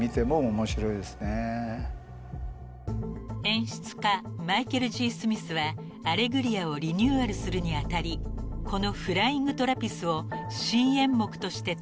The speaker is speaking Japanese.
［演出家マイケル・Ｇ・スミスは『アレグリア』をリニューアルするに当たりこの「フライング・トラピス」を新演目として取り入れました］